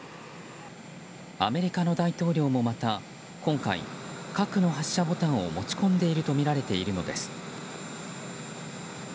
アメリカの大統領もまた今回核の発射ボタンを持ち込んでいるとみられているのです。